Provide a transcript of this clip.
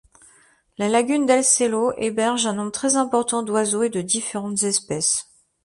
La lagune del Sello, héberge un nombre très important d'oiseaux de différentes espèces.